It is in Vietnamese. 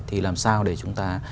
thì làm sao để chúng ta